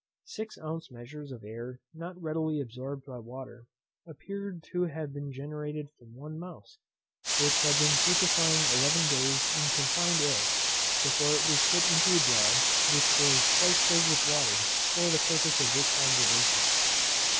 Six ounce measures of air not readily absorbed by water, appeared to have been generated from one mouse, which had been putrefying eleven days in confined air, before it was put into a jar which was quite filled with water, for the purpose of this observation.